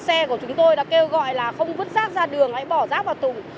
xe của chúng tôi đã kêu gọi là không vứt rác ra đường hãy bỏ rác vào tùng